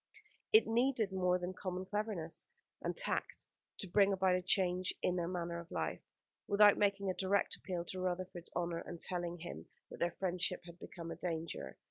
It needed more than common cleverness and tact to bring about a change in their manner of life, without making a direct appeal to Rutherford's honour and telling him that their friendship had become a danger.